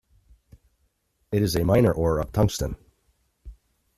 It is a minor ore of tungsten.